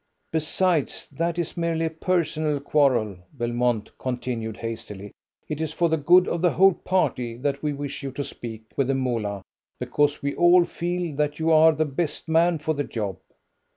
"Besides, that is merely a personal quarrel," Belmont continued hastily. "It is for the good of the whole party that we wish you to speak with the Moolah, because we all feel that you are the best man for the job."